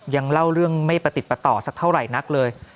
เล่าเรื่องไม่ประติดประต่อสักเท่าไหร่นักเลย